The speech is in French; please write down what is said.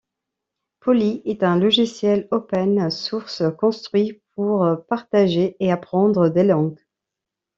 Poly est un logiciel open source construit pour partager et apprendre des langues.